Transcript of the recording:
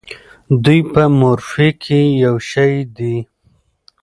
دوی په مورفي کې یو شی دي.